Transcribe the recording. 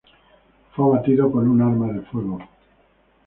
Fue abatido con un arma de fuego.